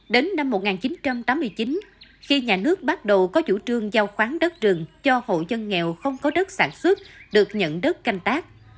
đến năm một nghìn chín trăm tám mươi chín khi nhà nước bắt đầu có chủ trương giao khoáng đất rừng cho hộ dân nghèo không có đất sản xuất được nhận đất canh tác